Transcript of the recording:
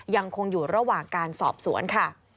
ยังคงอยู่ระหว่างการสอบสวนค่ะ